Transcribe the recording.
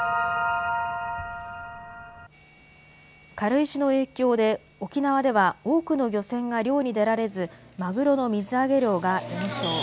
軽石の影響で沖縄では多くの漁船が漁に出られず、マグロの水揚げ量が減少。